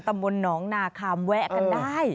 ตำบลหนองนาคามแวะกันได้